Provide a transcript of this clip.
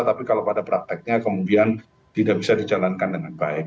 tapi kalau pada prakteknya kemudian tidak bisa dijalankan dengan baik